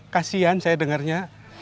kasian saya dengarnya